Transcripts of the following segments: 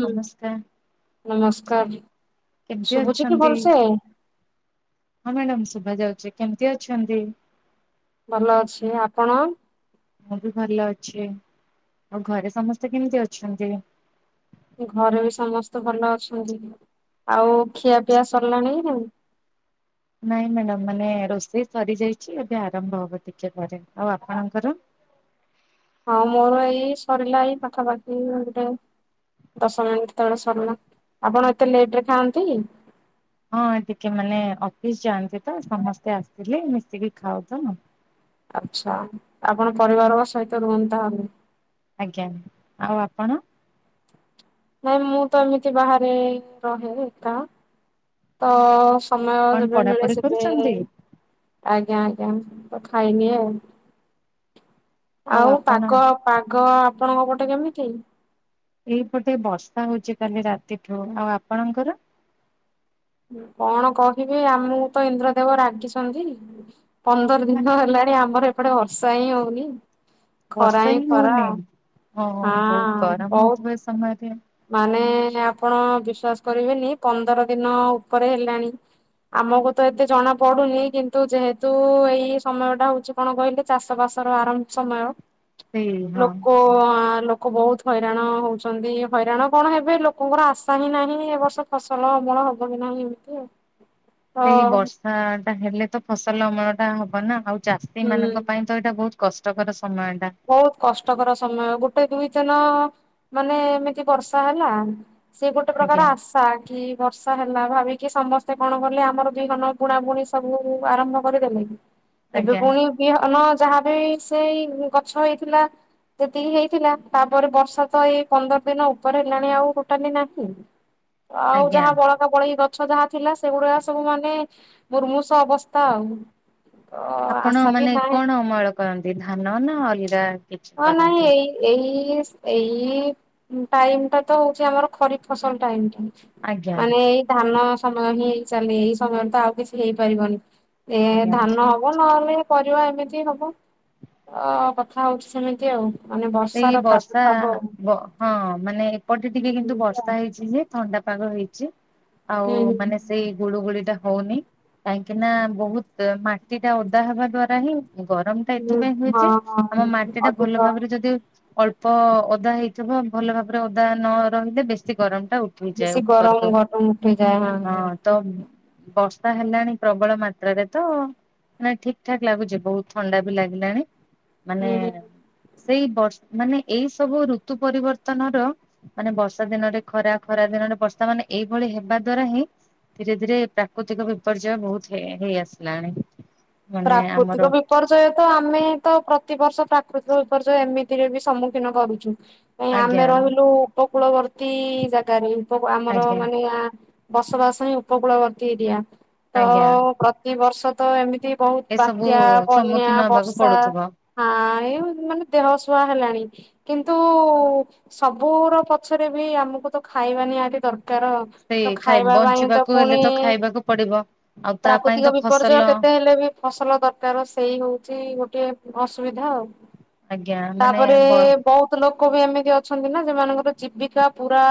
ହୁଁ ନମସ୍କାର। ନମସ୍କାର। କେମତି ଶୁଭୁଛି କି ଅଛନ୍ତି ଭଲସେ ହଁ ମ୍ୟାଡାମ ଶୁଭାଯାଉଛି? କେମିତି ଅଛନ୍ତି? ଭଲ ଅଛି ଆପଣ? ମୁଁ ବି ଭଲ ଅଛି ଆଉ ଘରେ ସମସ୍ତେ କେମିତି ଅଛନ୍ତି? ଘରେ ବି ସମସ୍ତେ ଭଲ ଅଛନ୍ତି। ଆଉ ଖିଆ ପିଆ ସରିଲାଣି ନାଇ? ନାଇଁ ମ୍ୟାଡ଼ାମ ମାନେ ରୋଷେଇ ସରି ଯାଇଛି ଏବେ ଆରମ୍ଭ ହବ ଟିକେ ପରେ ଆଉ ଆପଣଙ୍କର? ହଁ ମୋର ଏଇ ସରିଲା ଏଇ ପାଖାପାଖି ଗଟେ ଦଶ ମିନିଟ ତଳେ ସରିଲା ଆପଣ ଏତେ ଲେଟ ରେ ଖାଆନ୍ତି କି? ହଁ ଟିକେ ମାନେ ଅଫିସ ଯାଆନ୍ତି ତ ସମସ୍ତେ ଆସିଥିଲେ ମିଶିକି ଖାଉ ତ ଆଛା ଆପଣ ପରିବାର ସହିତ ରୁହନ୍ତା ହେଲେ ଆଜ୍ଞା ଆଉ ଆପଣ। ନାଇଁ ମୁଁ ତ ଏମିତି ବାହାରେ ରହେ ଏକା ତ ସମୟ କଣ ଯେବେ ମିଳେ ପଢାପଢି ସେବେ କରୁଛନ୍ତି? ଆଜ୍ଞା ଆଜ୍ଞା। ଖାଇନି ଆଉ ଆଉ ପାଗ ପାଗ ଆପଣଙ୍କ ପଟେ କେମିତି? ଏଇପଟେ ବର୍ଷା ହଉଛି କାଲି ରାତିଠୁ ଆଉ ଆପଣଙ୍କର? କଣ କହିବି ଆମକୁ ତ ଇନ୍ଦ୍ରଦେବ ରାଗିଛନ୍ତି। ପନ୍ଦର ଦିନ ହେଲାଣି ଆମର ଏପଟେ ବର୍ଷା ହିଁ ହଉନି। ଖରା ବର୍ଷା ହିଁ ଖରା ହଉନି। ବହୁତ ହଁ ଗରମ ବହୁତ ହଉଥିବା ଏ ସମୟରେ ମାନେ ଆପଣ ବିଶ୍ଵାସ କରିବେନି ପନ୍ଦର ଦିନ ଉପରେ ହେଲାଣି ଆମକୁ ତ ଏତେ ଜଣା ପଡୁନି କିନ୍ତୁ ଯେହେତୁ ଏଇ ସମୟ ଟା ହଉଛି କଣ କହିଲେ ଚାଷ ବାସ ର ଆରମ୍ଭ ସମୟ ସେଇ ହଁ। ଲୋକ ଲୋକ ବହୁତ ହଇରାଣ ହଉଛନ୍ତି। ହଇରାଣ କଣ ହେବେ ଲୋକଙ୍କର ଆଶା ହିଁ ନାହିଁ ଏ ବର୍ଷ ଫସଲ ଅମଳ ହବ କି ନାହିଁ ଏମିତି ଆଉ। ତ ସେଇ ବର୍ଷା ଟା ହେଲେ ତ ଫସଲ ଅମଳ ଟା ହବ ନା ଆଉ। ଚାଷୀ ହୁଁ ମାନଙ୍କ ପାଇଁ ତ ଏଇଟା ବହୁତ କଷ୍ଟକର। ସମୟ ଟା ବହୁତ କଷ୍ଟକର ସମୟ ଗୋ ଗୋଟେ ଦୁଇ ଦିନ ମାନେ, ଏମିତି ବର୍ଷା ହେଲା ସେ ଗୋଟେ ଆଜ୍ଞା ପ୍ରକାର ଆଶା କି -ବର୍ଷା ହେଲା ଭାବିକି ସମସ୍ତେ କଣ କଲେ ଆମର ବିହନ ବୁଣା ବୁଣି ସବୁ ଆରମ୍ଭ କରିଦେଲେ କି ଏବେ ଆଜ୍ଞା ପୁଣି ବିହନ ଯାହା ବି ସେଇ ଗଛ ହେଇଥିଲା ସେତିକି ହେଇଥିଲା, ତାପରେ ବର୍ଷା ତ ଏଇ ପନ୍ଦର ଦିନ ଉପରେ ହେଲାଣି ଆଉ ଟୋଟାଲି ନାହିଁ। ଆଉ ଆଜ୍ଞା। ଯାହା ବଳକା ବଳେଇ ଗଛ ଯାହା ଥିଲା ସେଗୁଡା ସବୁ ମାନେ ମୁୁର୍ମୁଷ ଅବସ୍ଥା ଆଉ ତ ଆପଣ ଆଶା ବି ମାନେ ନାହିଁ କଣ ଅମଳ କରନ୍ତି ଧାନ ନା ଅଲଗା--? କିଛି ହଁ ନାଇଁ, କରନ୍ତି? ଏଇ ଏଇ ଏଇ ଏଇ ଟାଇମ ଟା ତ ହଉଛି ଆମର ଖରିଫ ଫସଲ ଟାଇମ ଟ ଆଜ୍ଞା ମାନେ ଏଇ ଧାନ ସମୟ ହିଁ ଚାଲେ, ଏଇ ସମୟରେ ତ ଆଉ କିଛି ହେଇପାରିବନି। ଏ ଆଜ୍ଞା ଧାନ ହବ ନହେଲେ ପରିବା ଏମିତି ହବ ଅ, କଥା ହଉଛି ସେମିତି ଆଉ। ମାନେ ସେଇ ବର୍ଷାର ବର୍ଷା, ପ୍ରାଦୁର୍ଭାବ ହଁ ମାନେ ଏପଟେ ଟିକେ କିନ୍ତୁ ଏମିତି ଆଉ ବର୍ଷା ହେଇଛି ଯେ ଥଣ୍ଡା ପାଗ ହେଇଛି, ହୁଁ ଆଉ ମାନେ ହୁଁ। ସେଇ ଗୁଳୁ ଗୁଳି ଟା ହଉନି, କାହିଁକି ନା? ବହୁତ ମାଟି ଟା ଓଦା ହବା ଦ୍ଵାରା ହିଁ ଗରମ ଟା ଏଥିପାଇଁ ହଁ ହୁଏଯେ- ଆମ ହଁ ମାଟି ଟା ଅଧିକ ଭଲ ଭାବରେ ଯଦି ଅଳ୍ପ ଓଦା ହେଇଥିବ, ଭଲ ଭାବରେ ଉଦା ନ ରହିଲେ ବେଶୀ ଗରମ ଉଠି ଯାଏ ବେଶୀ ଗରମ ଉପରକୁ, ଗରମ ଉଠେଇଯାଏ ହଁ ତ ବରଷ ଷା ହେଲାଣି ପ୍ରବଳ ମାତ୍ରାରେ ତ, ମାନେ ଠିକ ଠାକ୍ ଲାଗୁଛି ବହୁତ ଥଣ୍ଡା ବି ଲାଗିଲାଣି। ମାନେ ହୁଁ ହୁଁ। ସେଇ ବର୍ଷ ମାନେ ଏଇ ସବୁ ଋତୁ ପରିବର୍ତ୍ତନ ର ମାନେ ବର୍ଷା ଦିନରେ ଖରା, ଖରା ଦିନରେ ବର୍ଷା ମାନେ ଏଇଭଳି ହେବା ଦ୍ଵାରା ହିଁ ଧୀରେ ଧୀରେ ପ୍ରାକୃତିକ ବିପର୍ଯ୍ୟୟ ବହୁତ ହେଇ ଆସିଲାଣି। ମାନେ ପ୍ରାକୃତିକ ଆମର ବିପର୍ଯ୍ୟୟ ତ, ଆମେ ତ ପ୍ରତିବର୍ଷ ପ୍ରାକୃତିକ ବିପର୍ଯ୍ୟୟ, ଏମିତିରେ ବି ସମ୍ମୁଖୀନ କରୁଛୁ, ଆମେ ଆଜ୍ଞା ରହିଲୁ ଉପ କୂଳବର୍ତ୍ତୀ ଜାଗାରେ ଆମର ଆଜ୍ଞା ମାନେ ବସବାସ ହିଁ ଉପକୂଳବର୍ତ୍ତୀ ଏରିଆ, ତ ଆଜ୍ଞା ପ୍ରତିବର୍ଷ ତ ଏମିତି ବହୁତ ଏସବୁ ବାତ୍ୟା, ବନ୍ୟା, ସମ୍ମୁଖୀନ ହବାକୁ ବର୍ଷା ପଡୁଥିବ। ଆ ଏ ମାନେ ଦେହ ଛୁଆ ହେଲାଣି କିନ୍ତୁ ସବୁର ପଛରେ ବି ଆମକୁ ତ ଖାଇବା ନିହାତି ଦରକାର । ସେଇ ବକାର ତ ଖାଇ ଖାଇବା ପାଇଁ ତ ବଞ୍ଚିବାକୁ ହେଲେ ପୁଣି ଖାଇବାକୁ ପଡିବ ଆଉ ତା ପାଇଁ ତ ପ୍ରାକୃତିକ ଫସଲ ବିପର୍ଯ୍ୟୟ କେତେ ହେଲେ ବି ଫସଲ ଦରକାର ସେଇ ହଉଛି ଗୋଟେ ଅସୁବିଧା ଆଉ ଆଜ୍ଞା ମାନେ ତାପରେ ବ ବହୁତ ଲୋକ ଲୋକ ବି ଏମିତି ଅଛନ୍ତି । ନା ସେମାନଙ୍କର ଜୀବିକା ପୁରା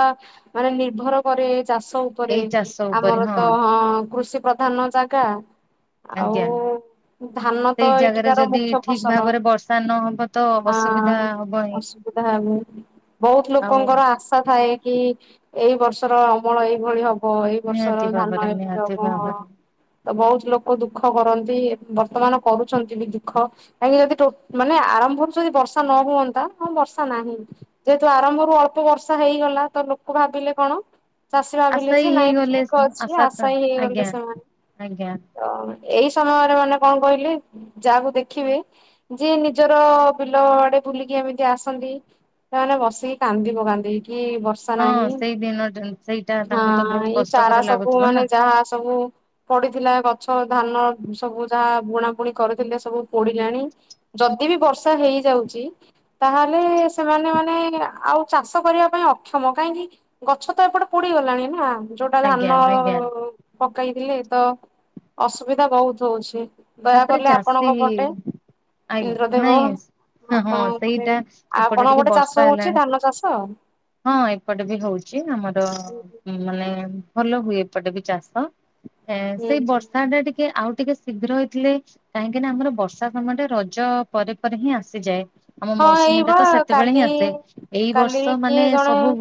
ମାନେ ନିର୍ଭର କରେ ଚାଷ ଉପରେ, ଏଇ ଚାଷ ଉପରେ ଆମର ତ ହଁ କୃଷି ପ୍ରଧାନ ଜାଗା ଆଉ ଆଜ୍ଞା। ଧାନ ତ ସେଇ ଜାଗାରେ ଏଠିକାର ଯଦି ମୁଖ୍ୟ ଠିକ ଫସଲ, ଭାବରେ ବର୍ଷା ନହବ ତ ଅସୁବିଧା ହବ ହିଁ। ଆଁସୁ ବହୁତ ଆଉ ଲୋକଙ୍କର ଆଶା ଥାଏ କି ଏଇ ବର୍ଷର ଅମଳ ଏଇଭଳି ହବ, ଏଇ ବର୍ଷର ନିହାତି ଧାନ ଭାବରେ ଏଇଭଳି ନିହାତି ହବ, ହଁ ଭାବରେ ତ ବହୁତ ଲୋକ ଦୁଃଖ କରନ୍ତି, ବର୍ତ୍ତମାନ କରୁଛନ୍ତି ବି ଦୁଃଖ, କାହିଁକି ଯଦି ମାନେ ଆରମ୍ଭରୁ ଯଦି ବର୍ଷା ନ ହୁଅନ୍ତା। ହଁ ବର୍ଷା ନାହିଁ, ଯେହେତୁ ଆରମ୍ଭରୁ ଅଳ୍ପ ବର୍ଷା ହେଇଗଲା ଲୋକ ଭାବିଲେ କଣ? ଚାଷୀ ଆଶା ଭାବିଲେ ହିଁ ଯେ ନାଇଁ ହେଇଗଲେ ଠିକ ଅଛି, ତ ଆଶା ହ ଆଜ୍ଞା। ହେଇଗଲେ ସେମାନେ ଆଜ୍ଞା । ତ ଏଇ ସମୟରେ ମାନେ କଣ କହିଲେ, ଯାହାକୁ ଦେଖିବେ ଯେ ନିଜର ବିଲ ଟେ ବୁଲିକି ଏମିତି ଆସନ୍ତି, ସେମାନେ ବସିକି କାନ୍ଦି ପକାନ୍ତି। କି ବର୍ଷା ହଁ ନାହିଁ, ସେଇ ଦିନ ସେଇଟା ହଁ ତାଙ୍କୁ ତ ବହୁତ ଏଇ ଚାରା କଷ୍ଟକର ସବୁ ଲାଗୁଥିବ ମାନେ ନା। ଯାହା ସବୁ ପଡିଥିଲା, ଗଛ ଧାନ ସବୁ ଯାହା ବୁଣା ବୁଣି କରିଥିଲେ ସବୁ ପୋଡିଲାଣି, ଯଦି ବର୍ଷା ହେଇଯାଉଛି । ତାହେଲେ ସେମାନେ ମାନ ଆଉ ଚାଷ କରିବା ପାଇଁ ଅକ୍ଷମ, କାହିଁକି? ଗଛ ତ ଏପଟେ ପୋଡିଗଲାଣି ନା ଯୋଉଟା ଆଜ୍ଞା ଧାନ ଆଜ୍ଞା ପକେଇଥିଲେ, ତ ଅସୁବିଧା ବହୁତ ହଉଛି । ଦୟାକଲେ ଆପଣଙ୍କ ପଟେ ଆଇ ଇନ୍ଦ୍ରଦେବ ନାଇ ହଁ ଆପଣଙ୍କ ପଟେ ସେଇଟା, ଏପଟେ ଆପଣଙ୍କ ଟିକେ ଗୋଟେ ଚାଷ ବର୍ଷା ହଉଛି ହେଲାଣି। ଧାନ ଚାଷ ହଁ, ଏପଟେ ବି ହଉଛି ଆମର ହୁଁ ମାନେ ଭଲ ହୁଏ ଏପଟେ ବି ଚାଷ, ଏ, ହୁଁ ସେଇ ବର୍ଷା ହୁଁ। ଟା ଟିକେ ଆଉ ଟିକେ ଶୀଘ୍ର ହେଇ ଥିଲେ, କାହିଁକି ନା ଆମର ବର୍ଷା ସମୟରେ ରଜ ପରେ ପରେ ହିଁ ଆସିଯାଏ । ଆମ ହଁ ମୌସୁମୀ ଏଇବା ଟା ତ ସେତେବେଳେ କାଲି ହିଁ ଆସେ, ଏଇ କାଲି ବର୍ଷ କିଏ ମାନେ ଜଣେ ସବୁ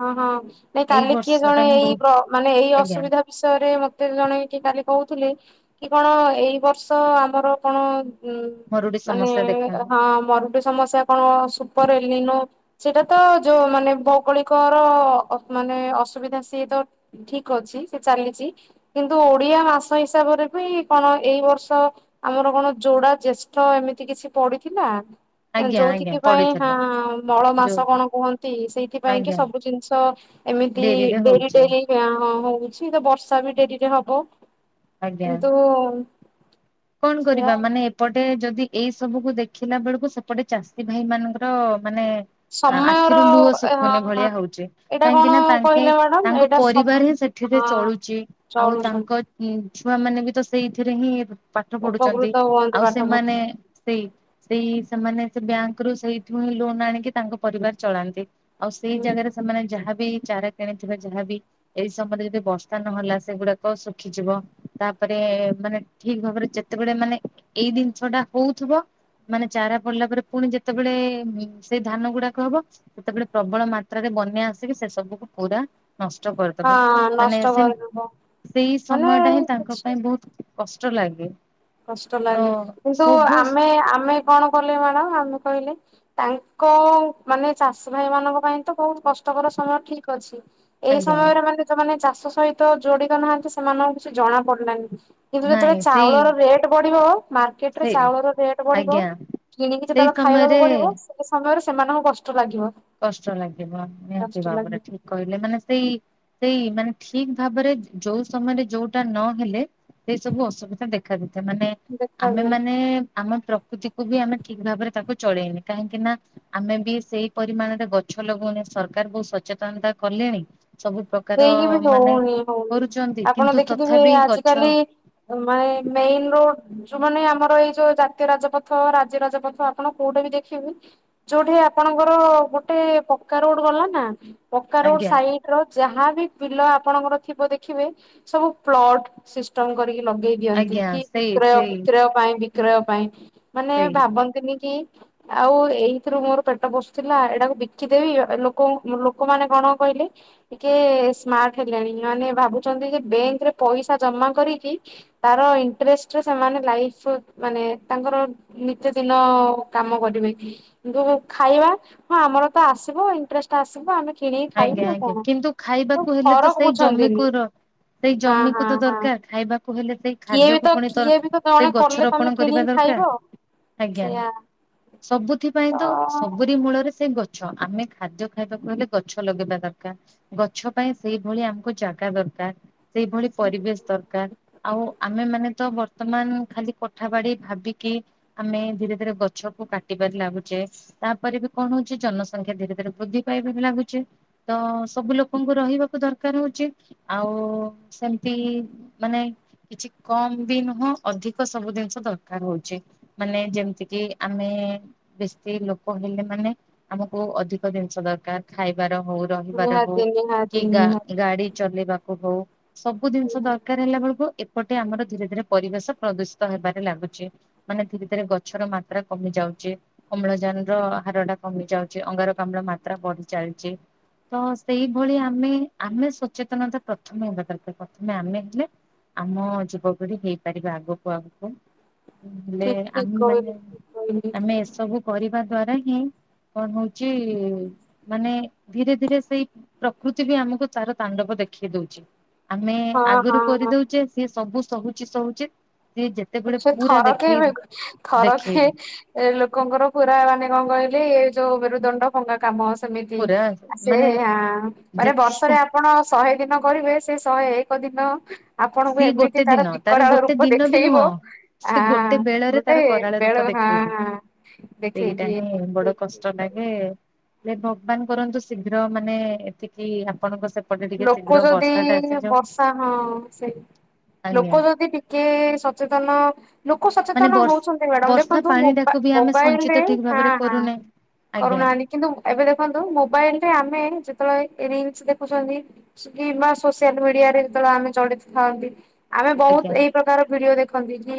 ହଁ ହଁ, ନାଇ ଏଇ କାଲି କିଏ ବର୍ଷ ଜଣେ, ଟା ହିଁ ଏଇ ବହୁତ ମାନେ ଏଇ ଆଜ୍ଞା ଅସୁବିଧା ବିଷୟରେ ମତେ ଜଣେ କିଏ କାଲି କହୁଥିଲେ, କି- କଣ ଏଇ ବର୍ଷ ଆମର କଣ ହଁ, ମରୁଡି ମାନେ ସମସ୍ୟା ଦେଖାଗଲା। ହଁ ମର ସମସ କଣ? ସୁପରଏଲୀନ ସେଟା ତ ଯୋଉ ମାନେ ଭୌଗୋଳିକର ମାନେ ଅସୁବିଧା ସିଏ ତ ଠିକ ଅଛି, ସେ ଚାଲିଛି, କିନ୍ତୁ ଓଡିଆ ମାସ ହିସାବରେ ବି କି କଣ ଏଇ ବର୍ଷ ଆମର କଣ ଯୋଡା ଜେଷ୍ଠ ଏମିତି କିଛି ପଡିଥିଲା ଆଜ୍ଞା ଆଜ୍ଞା ଯୋଉଥିକି ପାଇଁ ହଁ ପଡିଥିଲା ମଳ ମାସ ଯୋଉ କଣ କୁହନ୍ତି, ସେଇଥିପାଇଁ କି ଆଜ୍ଞା ସବୁ ଜିନିଷ ଏମିତି ଡେରିରେ ଡେରି ହଉଛେ ଡେରି ହଉ କିଛି ତ ବର୍ଷା ବି ଡେରିରେ ହବ, ଆଜ୍ଞା। କିନ୍ତୁ କଣ ସେଆ କରିବା? ମାନେ ଏପଟେ ଯଦି ଏଇ ସବୁ କୁ ଦେଖିଲା ବେଳକୁ ସେପଟେ ଚାଷୀ ଭାଇ ମାନଙ୍କର, ମାନେ ସମୟର ଆଖିରୁ ଲୁହ ଅ ଶୁଖୁନି ଭଳିଆ ହଉଛି ଏଇଟା କାହିଁକି କଣ ନା, ତାଙ୍କେ କହିଲେ ମ୍ୟାଡାମ ତାଙ୍କ ଏଇଟା ପରିବାର ସମ ହିଁ ସେଠି ସେଥିରେ ହଁ ଚଳୁଛି, ଆଉ ତାଙ୍କ ଚଳୁଛନ୍ତି ଛୁଆ ମାନେ ବି ତ ସେଇଥିରେ ହିଁ ପାଠ ପଢୁଛନ୍ତି ଉପକୃତ ହୁଅନ୍ତି ଆଉ ପାଠ ସେମାନେ ପଢୁଛନ୍ତି। ସେଇ ସେଇ ସେମାନେ ସେ ବ୍ୟାଙ୍କ ରୁ, ସେଇଠୁ ହଁ ଲୋନ ଆଣିକି ତାଙ୍କ ପରିବାର ଚଳାନ୍ତି । ଆଉ ସେଇ ହୁଁ ଜାଗାରେ ସେମାନେ ଯାହାବି ଚାରା କିଣିଥିବା ଯାହାବି, ଏଇ ସମୟରେ ଯଦି ବର୍ଷା ନହେଲା, ସେଗୁଡାକ ଶୁଖିଯିବ ତାପରେ ମାନେ ଠିକ ଭାବରେ, ଯେତେବେଳେ ମାନେ, ଏଇ ଜିନିଷ ଟା ହଉଥିବ ମାନେ ଚାରା ପଡିଲା ପରେ, ପୁଣି ଯେତେବେଳେ ସେଇ ଧାନ ଗୁଡାକ ହବ, ସେତେବେଳେ ପ୍ରବଳ ମାତ୍ରାରେ ବନ୍ୟା ଆସିକି ସେ ସବୁକୁ ପୁରା ନଷ୍ଟ କରିଦବ, ହଁ ମାନେ ନଷ୍ଟ ସେ କରିଦବ ସେଇ ମାନେ ସମୟ ଟା ହିଁ ତାଙ୍କ କିଛି ପାଇଁ ବହୁତ କଷ୍ଟ ଲାଗେ। କଷ୍ଟ ତ ଲାଗେ କିନ୍ତୁ ସବୁ ଆମେ ଆମେ କଣ କଲେ ମ୍ୟାଡାମ ଆମେ କହିଲେ ତାଙ୍କ ମାନେ ଚାଷୀ ଭାଇ ମାନଙ୍କ ପାଇଁ ତ ବହୁତ କଷ୍ଟ ତମର ସମୟ ଠିକ ଅଛି, ଏଇ ଆଜ୍ଞା ସମୟରେ ମାନେ ଯଉମାନେ ଚାଷୀ ତାଙ୍କ ସହିତ ଯୋଡିତ ନାହାନ୍ତି, ସେମାନଙ୍କୁ କିଛି ଜଣା ପଡିଲାନି କିନ୍ତୁ ଯେତେବେଳେ ନାଇଁ ସେଇ ଚାଉଳର ରେଟ୍ ବଢ଼ିବ, ମାର୍କେଟ ରେ ସେ ଚାଉଳର ରେଟ୍ ବଢ଼ିବ, ଆଜ୍ଞା କିଣିକି ସେଇ ଯେତବେଳେ ଖାଇବାକୁ ସମୟରେ ପଡିବ ସମୟରେ ସେମାନଙ୍କୁ କଷ୍ଟ ଲାଗିବ। କଷ୍ଟ ଲାଗିବ ନିହାତି କଷ୍ଟ ଭାବରେ, ଲାଗିବ ଠିକ କହିଲେ, ମାନେ ସେଇ, ସେଇ ମାନେ ଠିକ ଭାବରେ ଯୋଉ ସମୟରେ ଯୋଉଟା ନହେଲେ ସେଇ ସବୁ ଅସୁବିଧା ଦେଖାଦ ସେମାନେ, ଆମେ ଦେଖାଯାଏ। ମାନେ ଆମ ପ୍ରକୃତିକୁୁ ବି ଆମେ ଠିକ ଭାବରେ ତାକୁ ଚଳେଇନି କାହିଁକି ନା -ଆମେ ବି ସେଇ ପରିମାଣରେ ଗଛ ଲଗଉନେ, ସରକାର ବହୁତ ସଚେତନତା କଲେଣି। ସବୁ ପ୍ରକାର ହେଇକି ବି ମାନେ ହଉନି ହଉନି କରୁଛନ୍ତି କିନ୍ତୁ ତଥାପି ଗଛ ମେ ମେନ୍ ରୋଡ଼୍ ଯୋଉମାନେ ଆମର ଏଇ ଯୋଉ ଜାତୀୟ ରାଜପଥ, ରାଜ୍ୟ ରାଜପଥ ଆପଣ କୋଉଟା ବି ଦେଖିବେ ଯୋଉଠି ଆପଣଙ୍କର ଗୋଟେ ପକ୍କା ରୋଡ ଗଲା ନା, ପକ୍କା ରୋଡ ଆଜ୍ଞା ସାଇଡ ର ଯାହାବି ବିଲ ଆପଣଙ୍କର ଥିବ ଦେଖିବେ, ସବୁ ପ୍ଲଟ ସିଷ୍ଟମ କରିକି ଲଗେଇ ଦିଅନ୍ତି ଆଜ୍ଞା କି ସେଇ -ବିକ୍ରୟ, ସେଇ ବିକ୍ରୟ ପାଇଁ, ବିକ୍ରୟ ପାଇଁ, ମାନେ ସେଇ ଭାବନ୍ତିନି କି ଆଉ ଏଇଥିରୁ ମୋର ପେଟ ପୋଷୁଥିଲା, ଏଇଟାକୁ ବିକିଦେବି, ଲୋକ ଲୋକମାନେ କଣ କହିବେ? [unintelligible] ଟିକେ ସ୍ମାର୍ଟ ହେଲେଣି ମାନେ ଭାବୁଛନ୍ତି ଯେ ବେଙ୍କରେ ପଇସା ଜମା କରିକି ତାର ତାଙ୍କ ଇଣ୍ଟ୍ରେଷ୍ଟରେ ସେମାନେ ଲାଇଫ ମାନେ ତାଙ୍କର ନିତୀ ଦିନ କାମ କରିବେ। କିନ୍ତୁ ଖାଇବା ହଁ, ଆମର ତ ଆସିବ ଇଣ୍ଟ୍ରେଷ୍ଟ ଆସିବ ଆମେ କିଣିକି ଆଜ୍ଞା ଖାଇବୁ ଆଉ ଆଜ୍ଞା କଣ? କିନ୍ତୁ ଆଉ ଖାଇବାକୁ ହେଲେ ତ ଫରକ ସେଇ ବୁଝନ୍ତିନି ଜମିକୁ ର ସେଇ ହଁ ଜମିକୁ ହଁ ତ ହଁ ଦରକାର ଖାଇବାକୁ ହେଲେ ସେଇ କିଏ ବି ଖାଦ୍ୟକୁ ତ ପୁଣି ତର କିଏ ବି ତ ଜଣେ ସେଇ ଗଛ କଲେ ତମେ ରୋପଣ କରିବା କିଣିକି ଦରକାର ଖାଇବ ଆଜ୍ଞା। ସେଇଆ ସବୁଥି ପାଇଁ ତ ସବୁରି ମୂଳରେ ସେ ଗଛ ଆମେ ଖାଦ୍ୟ ଖାଇବାକୁ ହେଲେ ଗଛ ଲଗେଇବା ଦରକାର ଗଛ ପାଇଁ ସେଇଭଳି ଆମକୁ ଜାଗା ଦରକାର। ସେଇଭଳି ପରିବେଶ ଦରକାର। ଆଉ ଆମେ ମାନେ ତ ବର୍ତ୍ତମାନ ଖାଲି କଠା ବାଡି ଭାବିକି ଆମେ ଧୀରେ ଧୀରେ ଗଛ କୁ କାଟିବାରେ ଲାଗୁଚେ ତାପରେ ବି କଣ ହଉଛି ଜନସଂଖ୍ୟା ଧୀରେ ଧୀରେ ଚି ତ ସବୁ ଲୋକଙ୍କୁ ରହିବାକୁ ଦରକାର ହଉଛି ଆଉ ସେମିତି ମାନେ କିଛି କମ ବି ନୁହଁ ଅଧିକ ସବୁ ଜିନିଷ ଦରକାର ହଉଛି ମାନେ ଯେମିତି କି ଆମେ ବେଶୀ ଲୋକ ହେଲେ ମାନେ ଆମକୁ ଅଧିକ ଜିନିଷ ଦରକାର। ଖାଇବାର ହଉ, ରହିବାର ହଉ, ନିହାତି କି ନିହାତି ନିହାତି ଗା- ଗାଡି ଚଲେଇବାକୁ ହଉ ସବୁ ଜିନିଷ ଦରକାର ହେଲା ବେଳକୁ ଏ ଏପଟେ ଆମର ଧୀରେ ଧୀରେ ପରିବେଶ ପ୍ରଦୂଷିତ ହେବାରେ ଲାଗୁଛି ମାନେ ଧୀରେ ଧୀରେ ଗଛର ମାତ୍ରା କମି ଯାଉ ଚି ଅମ୍ଳଜାନର ହାରଟା କମି ଯାଉଛି ଅଙ୍ଗାରକାମ୍ଳ ମାତ୍ରା ବଢି ଚାଲିଛି। ତ ସେଇଭଳି ଆମେ ଆମେ ସଚେତନତା ପ୍ରଥମେ ହେବା ଦରକାର ପ୍ରଥମେ ଆମେ ହେଲେ ଆମ ଯୁବପିଢି ହେଇପାରିବ ଆଗକୁ ଆଗକୁ। ହେଲେ ଠିକ ଠିକ ଆମେ ମାନେ କହିଲେ ଠିକ କହିଲେ ଆମେ ଏସବୁ କରିବା ଦ୍ୱାରା ହିଁ କଣ ହଉଛି ମାନେ ଧୀରେ ଧୀରେ ସେଇ ପ୍ରକୃତି ବି ଆମକୁ ତାର ତାଣ୍ଡବ ଦେଖେଇ ଦଉଛି। ଆମେ ହଁ ଆଗରୁ ହଁ ହଁ। କରିଦଉଚେ ସିଏ ସବୁ ସହୁଚି ସହୁଚି ସେ ଥରକେ ବି ଥରକେ ଦେଖେଇବି ଲୋ ଲୋକଙ୍କର ପୁରା ମାନେ କଣ କହିଲେ ଏଇ ଯୋଉ ମେରୁଦଣ୍ଡ ଭଙ୍ଗା କାମ ଅ ସେମିତି ପୁରା ସେ ମାନେ ଆ ମାନେ ଯେତିକି ବର୍ଷରେ ଆପଣ ଶହେ ଦିନ କରିବେ ସେ ଶହେ ଏକ ଦିନ ଆପଣଙ୍କୁ ସିଏ ଗୋଟେ ଏମିତି ତାର ଦିନ ବିକରାଳ ଗୋଟେ ରୂପ ଦିନ ବି ଦେଖେଇବ ନୁହଁ। ସେ ଗୋଟେ ଆଁ ବେଳରେ ଗୋଟେ ତାର କରାଳ ରୂପ ବେଳ ହଁ, ଦେଖେଇବି ହଁ ଦେଖେଇ ସେଇଟା ଦିଏ। ହିଁ ବଡ କଷ୍ଟ ଲାଗେ ଯେ ଭଗବାନ କରନ୍ତୁ ଶୀଘ୍ର ମାନେ ଏତିକି ଆପଣଙ୍କ ସେ ଲୋକ ଯଦି ଇ ବର୍ଷା ହଁ ସେଇ ଆଜ୍ଞା ଲୋକ ଯଦି ଟିକେ ସଚେତନ ଲୋକ ମାନେ ସଚେତନ ବର୍ଷ ହଉଛନ୍ତି ମାଡାମ ବର୍ଷା ଦେଖନ୍ତୁ ପାଣି ମୋବା ଟାକୁ ବି ଆମେ ମୋବାଇଲରେ ସଞ୍ଚିତ ଠିକ ଭାବରେ କରୁନେ। [unintelligible] ଆଜ୍ଞା କରୁନାହାନ୍ତି କିନ୍ତୁ ଏବେ ଦେଖନ୍ତୁ ମୋବାଇଲରେ ଆମେ ଯେତେବେଳେ ରିଲ୍ସ୍ ଦେଖୁଛନ୍ତି ସୁକିମ୍ବା ସୋସିଆଲ ମିଡିଆରେ ଯେତେବେଳେ ଆମେ ଚଳି ଥାଆନ୍ତି। ଆମେ ବହୁତ୍ ଆଜ୍ଞା ଏଇ ପ୍ରକାର ଭିଡିଓ ଦେଖୁ। ଦେଖନ୍ତି କି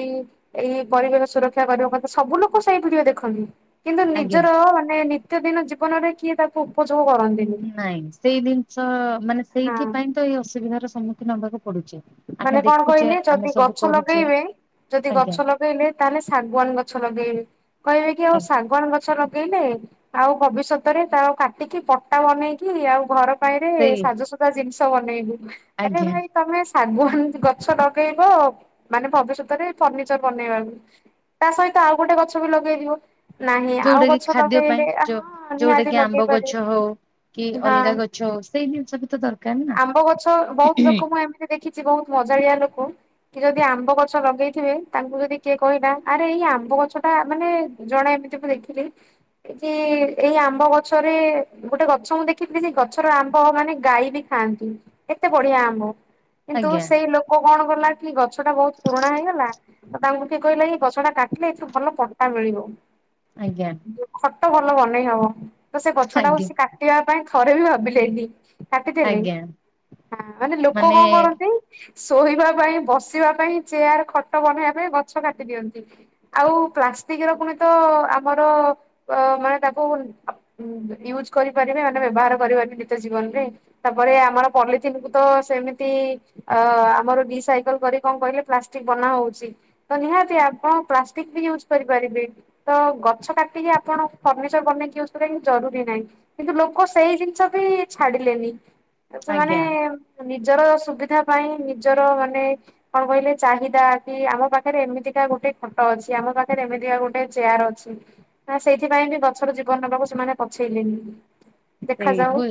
ଏଇ ପରିବେଶ ସୁରକ୍ଷା କରିବା କଥା ସବୁ ଲୋକ ସେଇ ଭିଡିଓ ଦେଖନ୍ତି। କିନ୍ତୁ ଆଜ୍ଞା। ନିଜର ମାନେ ନିତ୍ୟଦିନ ଜୀବନରେ କିଏ ତାକୁ ଉପସ ନାଇଁ ସେଇ ଦିନିଷ ମାନେ ହଁ। ସେଇଥିପାଇଁ ତ ଏଇ ଅସୁବିଧାର ସମ୍ମୁଖୀନ ହବାକୁ ପଡୁଚି। ମାନେ କଣ କହିଲେ ଯଦି ଗଛ ଲଗେଇବେ ଯଦି ଗଛ ଆଜ୍ଞା ଲଗେଇଲେ ତାହେଲେ ଶାଗୁଆାନ ଗଛ ଲଗେଇବେ। କହିବେ କି ଆଉ ଆ ଶାଗୁଆନ ଗଛର ଲ ଲଗେଇଲେ ଆଉ ଭବିଷ୍ୟତରେ ତା କାଟିକି ପଟା ବନେଇକି ଆଉ ଘର ବାଇରେ ସେଇ ସାଜସଜା ଜିନିଷ ବନେଇବୁ ଆରେ ଆଜ୍ଞା ଭାଇ ତମେ ଶାଗୁହାନ ଗଛ ଲଗେଇବ ମାନେ ଭବିଷ୍ୟତରେ ଫର୍ନିଚର ବନେଇବାକୁ। ତା ସହିତ ଆଉ ଗୋଟେ ଗଛବି ଲଗେଇ ଦିଅ। ନାହିଁ ଆଉ ଯୋଉଟା କି ଗଛ ଖାଦ୍ୟ ପାଇଁ ଲଗେଇଲେ ଯୋଉ ଆହଁ ଯୋଉଟା ନିହାତି କି ଆମ୍ବ ଲଗେଇ ଗଛ ପାରିବେ। ହଉ କି ହାଁ ଅଲଗା ଗଛ ହଉ ସେଇ ଜିନିଷ ବି ତ ଦରକାର ନା ଆମ୍ବ ଗଛ ବହୁତ ଲୋକ ମୁଁ ଏମିତି ଦେଖି ସେ ବହୁତ ମଜାଳିଆ ଲୋକ। କିଏ ଯଦି ଆମ୍ବ ଗଛ ଲଗେଇଥିବେ ତାଙ୍କୁ ଯଦି କିଏ କହିଲା ଆରେ ଏଇ ଆମ୍ବଗଛ ଟା ମାନେ ଜଣେ ନିଜେ ମୁଁ ଦେଖିଲି କି ଏଇ ଆମ୍ବଗଛରେ ଗୋଟେ ଗଛ ମୁଁ ଦେଖଥିଲି ଗଛର ଆ ଆମ୍ବ ମାନେ ଗାଈ ବି ଖାଆନ୍ତି। ଏତେ ବଢିଆ ଆମ୍ବ କିନ୍ତୁ ଆଜ୍ଞା ସେଇଲୋକ କଣ କଲା କି ଗଛ ଟା ବହୁତ ପୁରୁଣା ହେଇଗଲା। ତ ତାଙ୍କୁ କିଏ କହିଲା କି ଗଛ ଟା କାଟିଲେ ଏଠୁ ଭଲ ପଟା ମିଳିବ ଆଜ୍ଞା ଖଟ ଭଲ ବନେଇ ହବ। ତ ସେ ଗଛଟାକୁ ଆଜ୍ଞା ସେ କାଟିବା ପାଇଁ ଥରେ ବି ଭାବିଲେନି କାଟି ଦେଲେ ଆଜ୍ଞା ମାନେ ଲୋକ କଣ କରନ୍ତି। ଶୋଇବା ପାଇଁ ବସିବା ପାଇଁ ଚେୟାର ଖଟ ବନେଇବା ପାଇଁ ଗଛ କାଟି ଦିଅନ୍ତି ଆଉ। ପଷ୍ଟିକ ଆମର ମାନ ତାକୁ କରି । ମାନେ ବ୍ୟବହାର କରିବନି ନିଜ ଜୀବନ ରେ ତାପରେ ଆମର ପଲିଥିନ୍ କୁ ତ ସେମିତି ଅ ଆମର ରିସାଇକଲ କରି କଣ କହିଲେ ପ୍ଲାଷ୍ଟିକ ବନା ହଉଛି ତ ନିହାତି ଆପଣ ପ୍ଲାଷ୍ଟିକ ୟୁଜ୍ କରିପାରିବେ ତ ଗଛ କାଟିକି ଆପଣ ଫର୍ନିଚର ବନେଇକି ୟୁଜ୍ କରିବା ଜରୁରୀ ନାହିଁ କିନ୍ତୁ ଲୋକ ସେଇ ଜିନିଷ ବି ଛାଡିଲେନି ସେମାନେ ଆଜ୍ଞା ନିଜର ସୁବିଧା ପାଇଁ ନିଜର ମାନେ କଣ କହିଲେ ଚାହିଦା କି ଆମ ପାଖରେ ଏମିତିକା ଗୋଟେ ଖଟ ଅଛି ଆମ ମମ ପାଖରେ ଏମିତିକା ଗୋଟେ ଚେୟାର ଅଛି, ନା ସେଇଥିପାଇଁ ବି ଗଛର ଜୀବନ ନେବାକୁ ସେମାନେ ପଛେଇଲେନି ଦେଖାଯାଉ ସେଇ